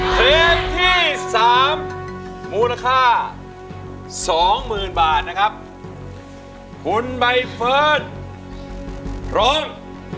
เพลงที่สามมูลค่าสองหมื่นบาทนะครับคุณใบเฟิร์สร้อง